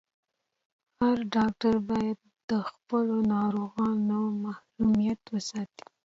هر ډاکټر باید د خپلو ناروغانو محرميت وساتي.